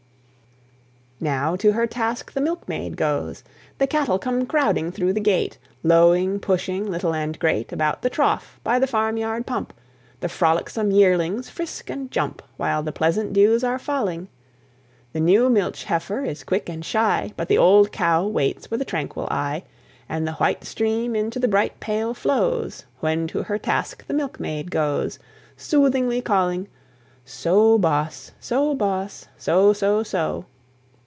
Now to her task the milkmaid goes. The cattle come crowding through the gate, Lowing, pushing, little and great; About the trough, by the farm yard pump, The frolicsome yearlings frisk and jump, While the pleasant dews are falling; The new milch heifer is quick and shy, But the old cow waits with tranquil eye; And the white stream into the bright pail flows, When to her task the milkmaid goes, Soothingly calling, "So, boss! so, boss! so! so! so!"